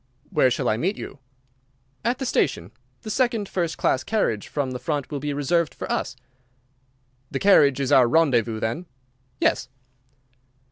"Where shall I meet you?" "At the station. The second first class carriage from the front will be reserved for us." "The carriage is our rendezvous, then?" "Yes."